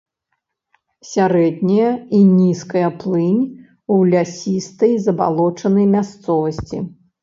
Сярэдняя і нізкая плынь ў лясістай забалочанай мясцовасці.